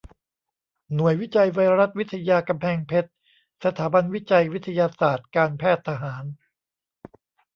หน่วยวิจัยไวรัสวิทยากำแพงเพชรสถาบันวิจัยวิทยาศาสตร์การแพทย์ทหาร